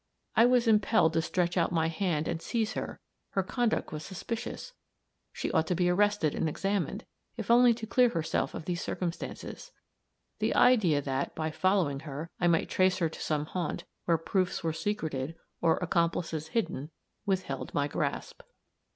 I was impelled to stretch out my hand and seize her; her conduct was suspicious; she ought to be arrested and examined, if only to clear herself of these circumstances. The idea that, by following her, I might trace her to some haunt, where proofs were secreted, or accomplices hidden, withheld my grasp.